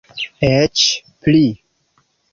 Eĉ pli.